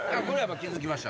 気付きました。